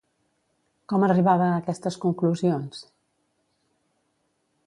Com arribava a aquestes conclusions?